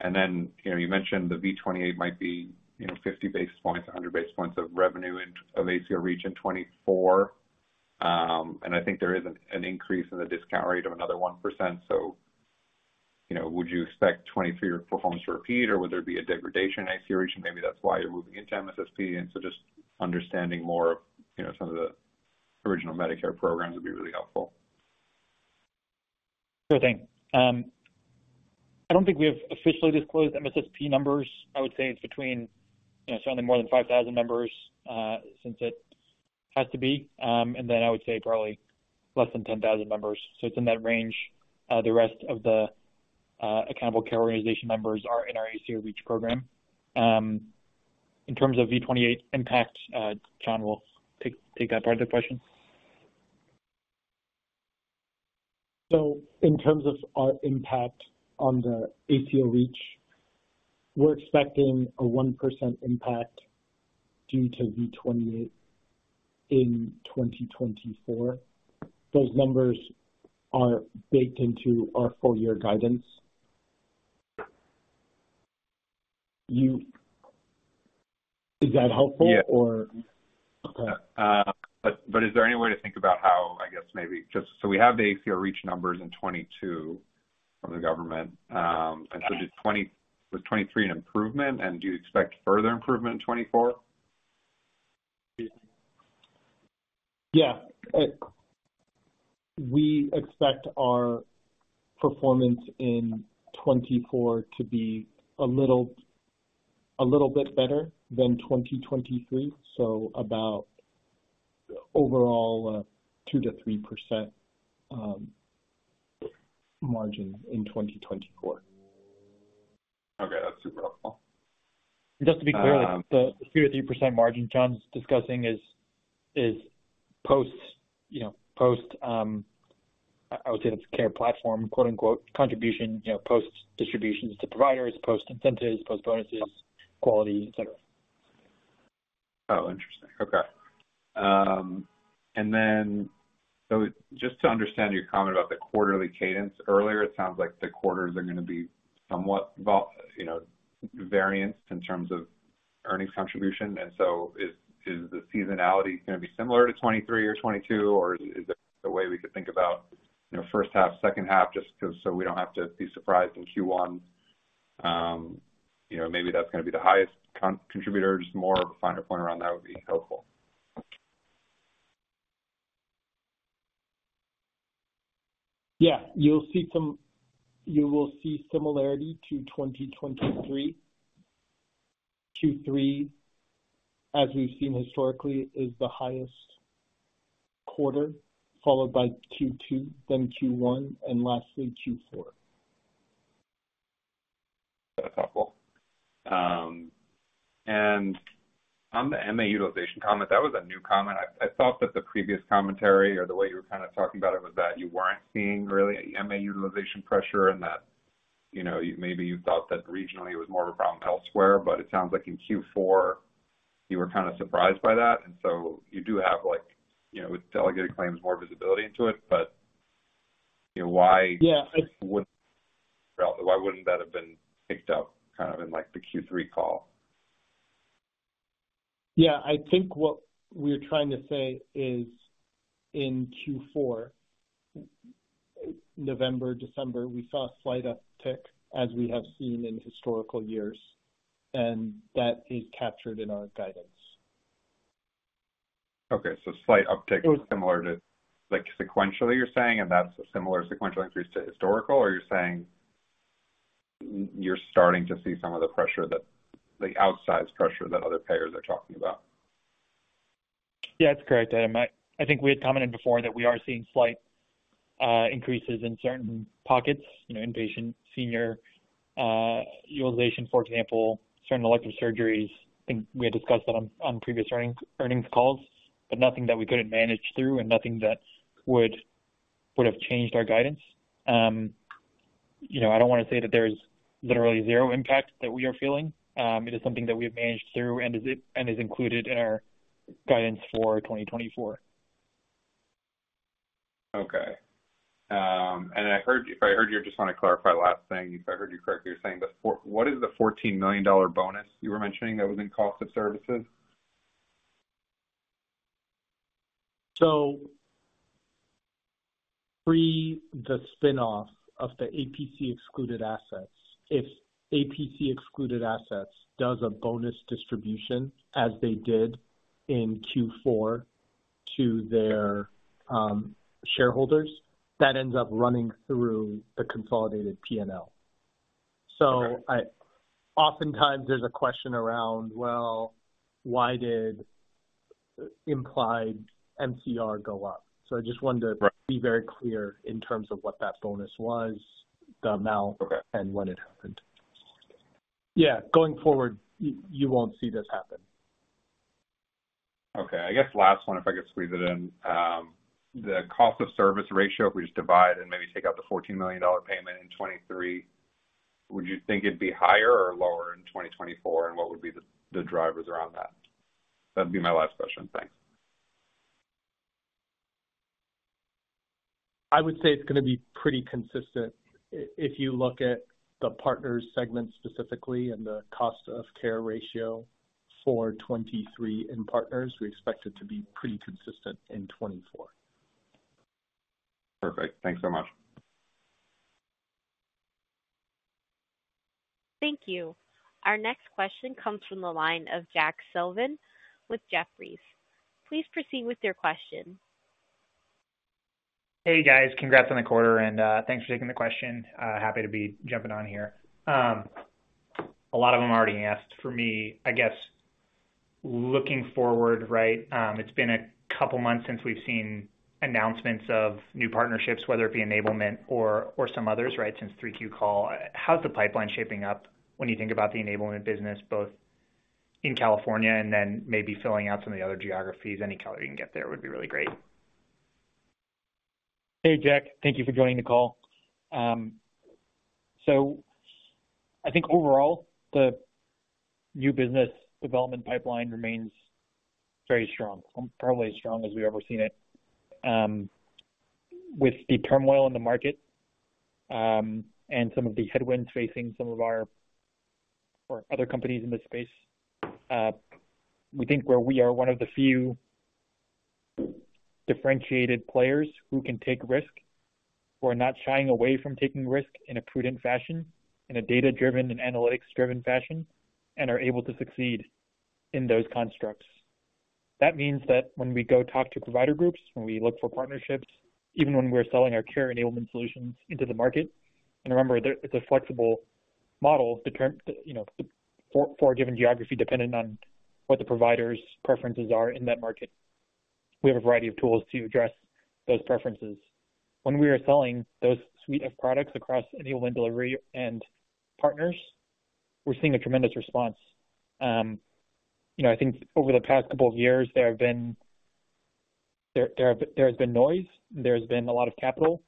And then, you know, you mentioned the V28 might be, you know, 50 basis points, 100 basis points of revenue in, of ACO REACH in 2024. And I think there is an increase in the discount rate of another 1%. So, you know, would you expect 2023 performance to repeat, or would there be a degradation in ACO REACH? And maybe that's why you're moving into MSSP. And so just understanding more of, you know, some of the original Medicare programs would be really helpful. Sure thing. I don't think we have officially disclosed MSSP numbers. I would say it's between, you know, certainly more than 5,000 members, since it has to be, and then I would say probably less than 10,000 members. So it's in that range. The rest of the accountable care organization members are in our ACO Reach program. In terms of V28 impact, John will take that part of the question. So in terms of our impact on the ACO REACH, we're expecting a 1% impact due to V28 in 2024. Those numbers are baked into our full year guidance. You - Is that helpful? Yeah. Or, okay. But is there any way to think about how, I guess maybe just... So we have the ACO REACH numbers in 2022 from the government. And so was 2023 an improvement, and do you expect further improvement in 2024? Yeah. We expect our performance in 2024 to be a little, a little bit better than 2023, so about overall, 2%-3% margin in 2024. Okay. That's super helpful. Just to be clear, the 2%-3% margin Chan's discussing is post, you know, post, I would say the care platform, quote, unquote, "contribution," you know, post distributions to providers, post incentives, post bonuses, quality, et cetera. Oh, interesting. Okay. And then, so just to understand your comment about the quarterly cadence earlier, it sounds like the quarters are gonna be somewhat vol- you know, variant in terms of earnings contribution. And so is, is the seasonality gonna be similar to 2023 or 2022, or is there a way we could think about, you know, first half, second half, just so, so we don't have to be surprised in Q1? You know, maybe that's gonna be the highest con- contributor. Just more finer point around that would be helpful. Yeah. You'll see some similarity to 2023. Q3, as we've seen historically, is the highest quarter, followed by Q2, then Q1, and lastly, Q4. That's helpful. And on the MA utilization comment, that was a new comment. I thought that the previous commentary or the way you were kind of talking about it, was that you weren't seeing really MA utilization pressure and that, you know, maybe you thought that regionally it was more of a problem elsewhere, but it sounds like in Q4, you were kind of surprised by that. And so you do have like, you know, with delegated claims, more visibility into it. But, you know, why- Yeah. Why wouldn't that have been picked up kind of in, like, the Q3 call? Yeah, I think what we're trying to say is in Q4, November, December, we saw a slight uptick, as we have seen in historical years, and that is captured in our guidance. Okay. So slight uptick is similar to, like, sequentially, you're saying, and that's a similar sequential increase to historical? Or you're saying you're starting to see some of the pressure that the outsized pressure that other payers are talking about? Yeah, that's correct. I think we had commented before that we are seeing slight increases in certain pockets, you know, inpatient, senior utilization, for example, certain elective surgeries. I think we had discussed that on previous earnings calls, but nothing that we couldn't manage through and nothing that would have changed our guidance. You know, I don't want to say that there's literally zero impact that we are feeling. It is something that we've managed through and is included in our guidance for 2024. Okay. And I heard you... If I heard you correctly, you're saying the $14 million bonus you were mentioning that was in cost of services? So pre the spin-off of the APC excluded assets, if APC excluded assets does a bonus distribution, as they did in Q4 to their shareholders, that ends up running through the consolidated P&L. Okay. So I oftentimes there's a question around, well, why did implied MCR go up? So I just wanted to- Right... be very clear in terms of what that bonus was, the amount- Okay and when it happened. Yeah. Going forward, you won't see this happen. Okay. I guess last one, if I could squeeze it in. The cost of service ratio, if we just divide and maybe take out the $14 million payment in 2023, would you think it'd be higher or lower in 2024, and what would be the, the drivers around that? That'd be my last question. Thanks.... I would say it's going to be pretty consistent. If you look at the partners segment specifically and the cost of care ratio for 2023 in partners, we expect it to be pretty consistent in 2024. Perfect. Thanks so much. Thank you. Our next question comes from the line of Jack Sullivan with Jefferies. Please proceed with your question. Hey, guys. Congrats on the quarter, and thanks for taking the question. Happy to be jumping on here. A lot of them already asked for me, I guess, looking forward, right? It's been a couple months since we've seen announcements of new partnerships, whether it be enablement or some others, right? Since 3Q call. How's the pipeline shaping up when you think about the enablement business, both in California and then maybe filling out some of the other geographies? Any color you can get there would be really great. Hey, Jack. Thank you for joining the call. So I think overall, the new business development pipeline remains very strong, probably as strong as we've ever seen it. With the turmoil in the market, and some of the headwinds facing some of our, or other companies in this space, we think where we are one of the few differentiated players who can take risk. We're not shying away from taking risk in a prudent fashion, in a data-driven and analytics-driven fashion, and are able to succeed in those constructs. That means that when we go talk to provider groups, when we look for partnerships, even when we're selling our care enablement solutions into the market, and remember, it's a flexible model, you know, for a given geography, dependent on what the provider's preferences are in that market. We have a variety of tools to address those preferences. When we are selling those suite of products across enablement, delivery, and partners, we're seeing a tremendous response. You know, I think over the past couple of years, there has been noise. There's been a lot of capital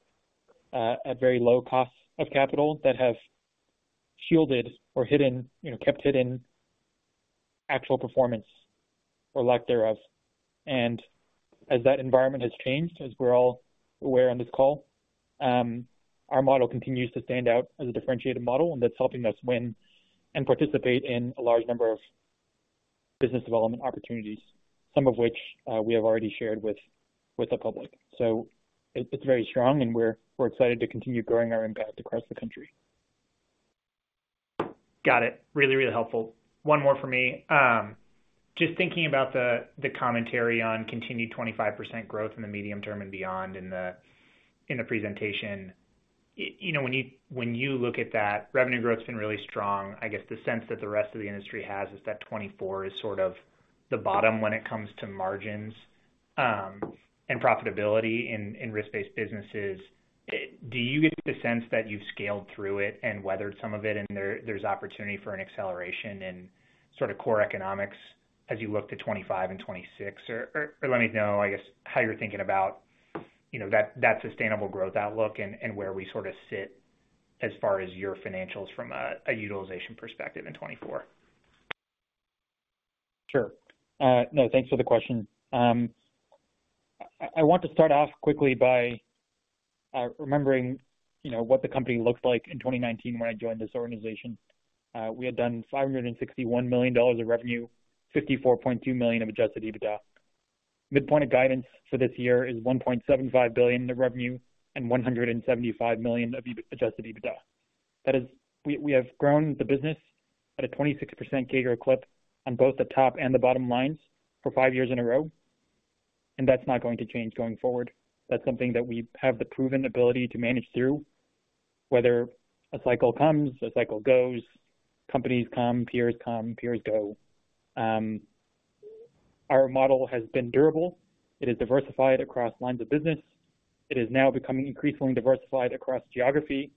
at very low cost of capital that have shielded or hidden, you know, kept hidden actual performance or lack thereof. And as that environment has changed, as we're all aware on this call, our model continues to stand out as a differentiated model, and that's helping us win and participate in a large number of business development opportunities, some of which we have already shared with the public. So it's very strong, and we're excited to continue growing our impact across the country. Got it. Really, really helpful. One more for me. Just thinking about the commentary on continued 25% growth in the medium term and beyond in the presentation. You know, when you look at that, revenue growth's been really strong. I guess the sense that the rest of the industry has is that 2024 is sort of the bottom when it comes to margins and profitability in risk-based businesses. Do you get the sense that you've scaled through it and weathered some of it, and there's opportunity for an acceleration in sort of core economics as you look to 2025 and 2026? Or let me know, I guess, how you're thinking about, you know, that sustainable growth outlook and where we sort of sit as far as your financials from a utilization perspective in 2024. Sure. No, thanks for the question. I want to start off quickly by remembering, you know, what the company looked like in 2019 when I joined this organization. We had done $561 million of revenue, $54.2 million of adjusted EBITDA. Midpoint of guidance for this year is $1.75 billion in revenue and $175 million of adjusted EBITDA. That is, we have grown the business at a 26% CAGR clip on both the top and the bottom lines for five years in a row, and that's not going to change going forward. That's something that we have the proven ability to manage through, whether a cycle comes, a cycle goes, companies come, peers come, peers go. Our model has been durable. It is diversified across lines of business. It is now becoming increasingly diversified across geography,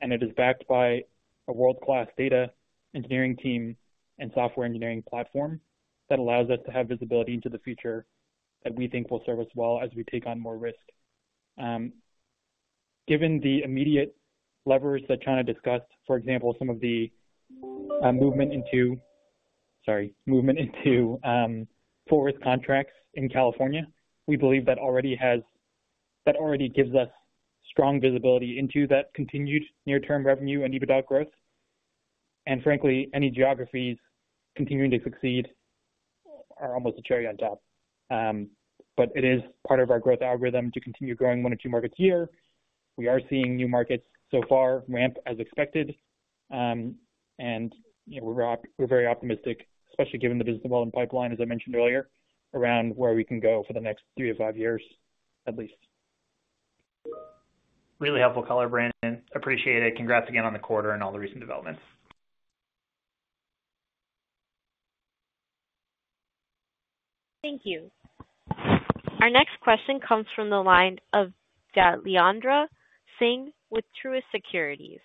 and it is backed by a world-class data engineering team and software engineering platform that allows us to have visibility into the future that we think will serve us well as we take on more risk. Given the immediate levers that Chan discussed, for example, some of the movement into forward contracts in California, we believe that already has, that already gives us strong visibility into that continued near-term revenue and EBITDA growth. And frankly, any geographies continuing to succeed are almost a cherry on top. But it is part of our growth algorithm to continue growing one or two markets a year. We are seeing new markets so far ramp as expected. You know, we're very optimistic, especially given the business development pipeline, as I mentioned earlier, around where we can go for the next 3-5 years, at least. Really helpful color, Brandon. Appreciate it. Congrats again on the quarter and all the recent developments. Thank you. Our next question comes from the line of Jailendra Singh with Truist Securities.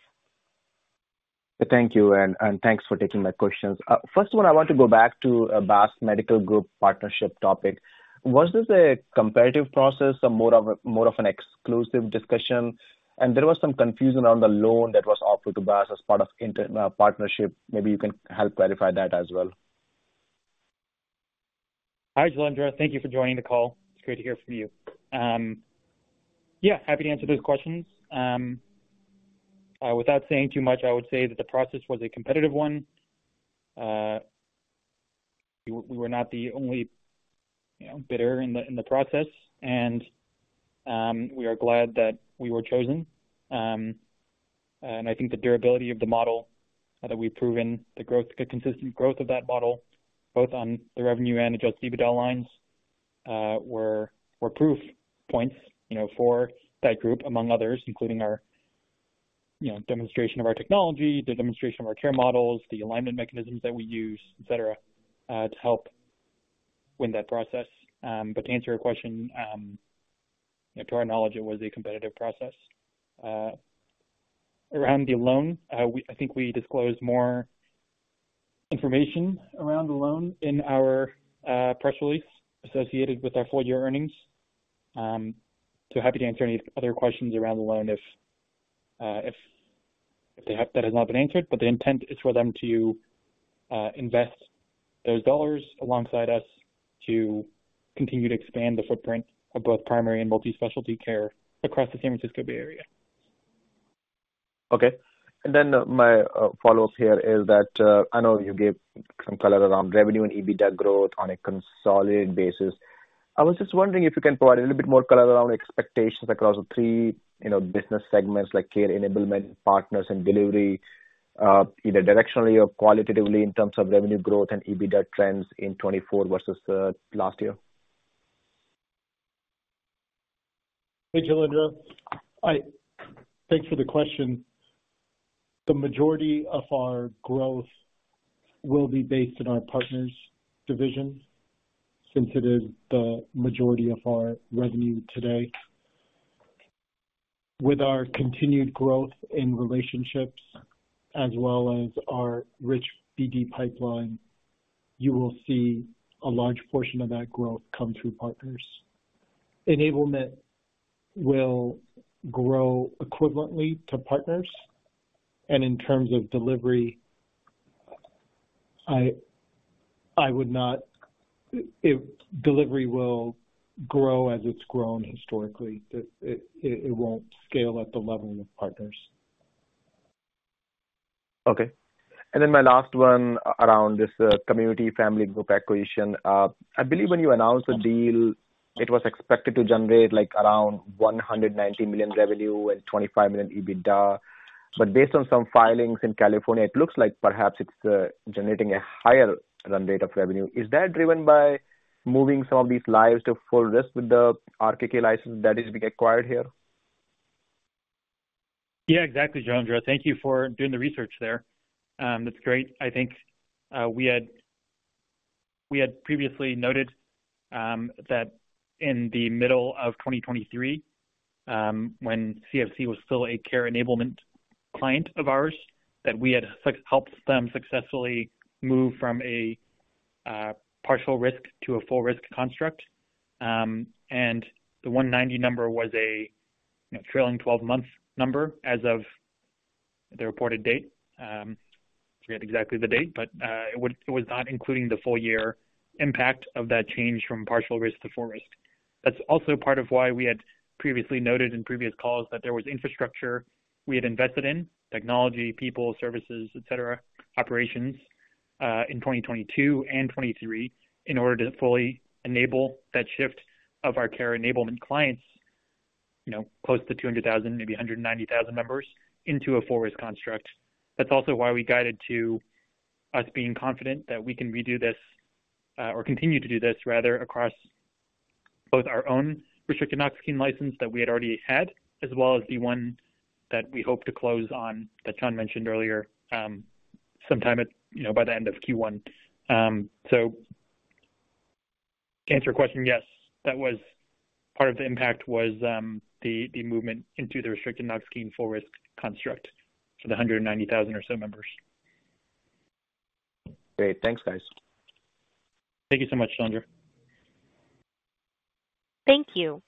Thank you, and thanks for taking my questions. First of all, I want to go back to BASS Medical Group partnership topic. Was this a competitive process or more of an exclusive discussion? And there was some confusion around the loan that was offered to BASS as part of inter partnership. Maybe you can help clarify that as well.... Hi, Jailendra. Thank you for joining the call. It's great to hear from you. Yeah, happy to answer those questions. Without saying too much, I would say that the process was a competitive one. We were not the only, you know, bidder in the process, and we are glad that we were chosen. And I think the durability of the model, that we've proven the growth, the consistent growth of that model, both on the revenue and Adjusted EBITDA lines, were proof points, you know, for that group, among others, including our, you know, demonstration of our technology, the demonstration of our care models, the alignment mechanisms that we use, et cetera, to help win that process. But to answer your question, you know, to our knowledge, it was a competitive process. Around the loan, I think we disclosed more information around the loan in our press release associated with our full year earnings. So happy to answer any other questions around the loan if they have that has not been answered, but the intent is for them to invest those dollars alongside us to continue to expand the footprint of both primary and multi-specialty care across the San Francisco Bay Area. Okay. And then, my follow-up here is that I know you gave some color around revenue and EBITDA growth on a consolidated basis. I was just wondering if you can provide a little bit more color around expectations across the three, you know, business segments like Care Enablement, Partners, and Delivery, either directionally or qualitatively in terms of revenue growth and EBITDA trends in 2024 versus last year. Hey, Jailendra. Thanks for the question. The majority of our growth will be based in our partners division, since it is the majority of our revenue today. With our continued growth in relationships, as well as our rich BD pipeline, you will see a large portion of that growth come through partners. Enablement will grow equivalently to partners, and in terms of delivery, I would not... delivery will grow as it's grown historically. It won't scale at the level of partners. Okay. And then my last one around this, Community Family Care acquisition. I believe when you announced the deal, it was expected to generate, like, around $190 million revenue and $25 million EBITDA. But based on some filings in California, it looks like perhaps it's generating a higher run rate of revenue. Is that driven by moving some of these lives to full risk with the RKK license that is being acquired here? Yeah, exactly, Jailendra. Thank you for doing the research there. That's great. I think, we had, we had previously noted, that in the middle of 2023, when CFC was still a care enablement client of ours, that we had helped them successfully move from a partial risk to a full risk construct. And the 190 number was a, you know, trailing 12-month number as of the reported date. Forget exactly the date, but it was not including the full year impact of that change from partial risk to full risk. That's also part of why we had previously noted in previous calls that there was infrastructure we had invested in, technology, people, services, et cetera, operations, in 2022 and 2023, in order to fully enable that shift of our care enablement clients, you know, close to 200,000, maybe 190,000 members, into a full risk construct. That's also why we guided to us being confident that we can redo this, or continue to do this rather, across both our own restricted Knox-Keene license that we had already had, as well as the one that we hope to close on, that John mentioned earlier, sometime at, you know, by the end of Q1. So, to answer your question, yes, that was part of the impact was the movement into the restricted Knox-Keene full risk construct for the 190,000 or so members. Great. Thanks, guys. Thank you so much, Jailendra. Thank you.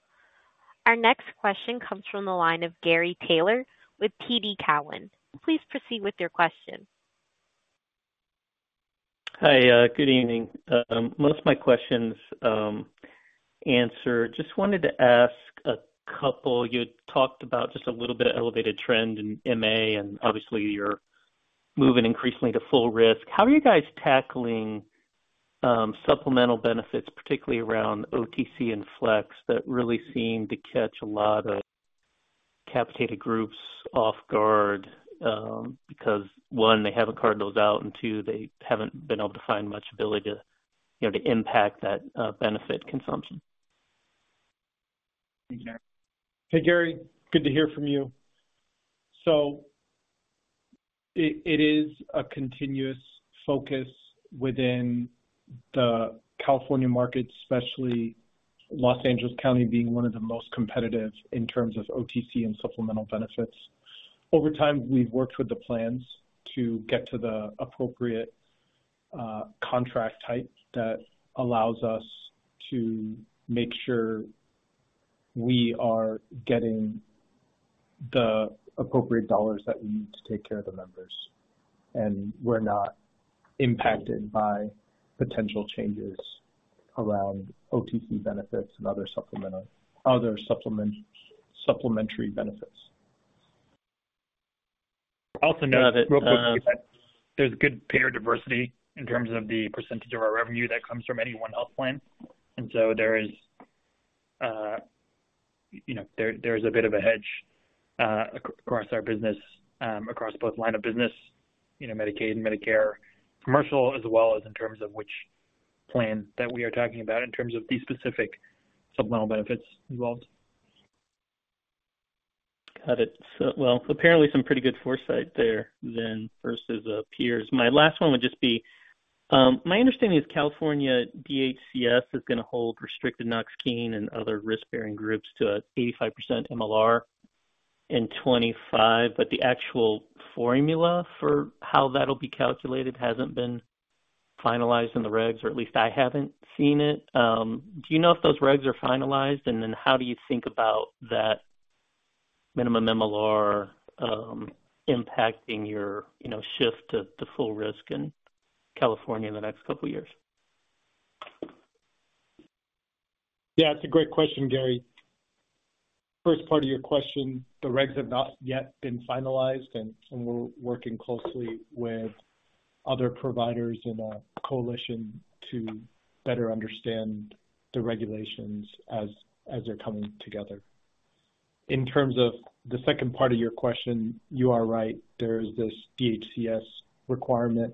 Our next question comes from the line of Gary Taylor with TD Cowen. Please proceed with your question. Hi. Good evening. Most of my questions answered. Just wanted to ask a couple. You talked about just a little bit of elevated trend in MA, and obviously you're moving increasingly to full risk. How are you guys tackling supplemental benefits, particularly around OTC and flex, that really seem to catch a lot of capitated groups off guard? Because, one, they haven't carved those out, and two, they haven't been able to find much ability to, you know, to impact that benefit consumption. Hey, Gary, good to hear from you. So it is a continuous focus within the California market, especially Los Angeles County, being one of the most competitive in terms of OTC and supplemental benefits. Over time, we've worked with the plans to get to the appropriate contract type that allows us to make sure we are getting the appropriate dollars that we need to take care of the members, and we're not impacted by potential changes around OTC benefits and other supplementary benefits. Also note, real quickly, that there's good payer diversity in terms of the percentage of our revenue that comes from any one health plan. And so there is, you know, there's a bit of a hedge across our business, across both line of business, you know, Medicaid and Medicare, commercial, as well as in terms of which plan that we are talking about in terms of the specific supplemental benefits involved. Got it. Well, apparently some pretty good foresight there then, versus peers. My last one would just be my understanding is California DMHC is gonna hold restricted Knox-Keene and other risk-bearing groups to an 85% MLR in 2025, but the actual formula for how that'll be calculated hasn't been finalized in the regs, or at least I haven't seen it. Do you know if those regs are finalized? And then how do you think about that minimum MLR impacting your, you know, shift to full risk in California in the next couple years? Yeah, it's a great question, Gary. First part of your question, the regs have not yet been finalized, and we're working closely with other providers in a coalition to better understand the regulations as they're coming together. In terms of the second part of your question, you are right. There is this DHCS requirement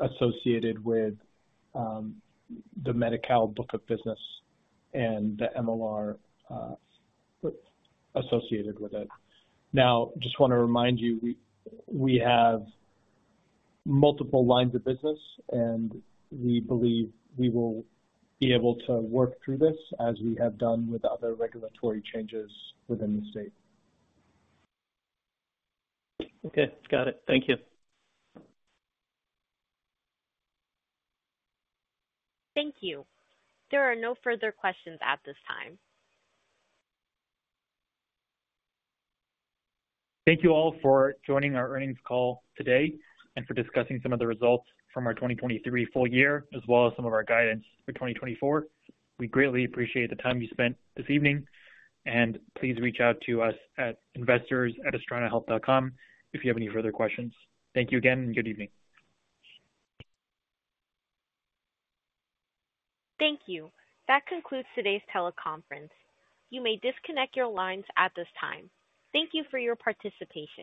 associated with the Medi-Cal book of business and the MLR associated with it. Now, just wanna remind you, we have multiple lines of business, and we believe we will be able to work through this as we have done with other regulatory changes within the state. Okay. Got it. Thank you. Thank you. There are no further questions at this time. Thank you all for joining our earnings call today and for discussing some of the results from our 2023 full year, as well as some of our guidance for 2024. We greatly appreciate the time you spent this evening, and please reach out to us at investors@astranahealth.com if you have any further questions. Thank you again, and good evening. Thank you. That concludes today's teleconference. You may disconnect your lines at this time. Thank you for your participation.